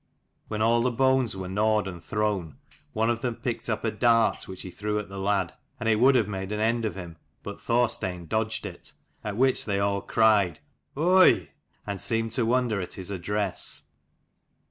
When all the bones were gnawed and thrown, one of them picked up a dart, which he threw at the lad : and it would have made an end of him, but Thorstein dodged it : at which they all cried "Oigh! " and seemed to wonder at his address.